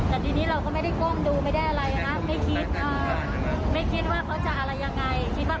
แต่ประตูบ้านเขามันห่างอยู่มันเป็นโซ่